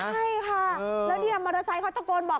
ใช่ค่ะแล้วเนี่ยมอเตอร์ไซค์เขาตะโกนบอก